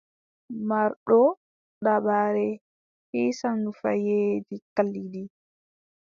Marɗo dabare hisan nufayeeji kalliɗi.